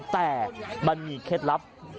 แต่มันมีเคล็ดลับ